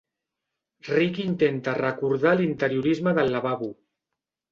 Riqui intenta recordar l'interiorisme del lavabo.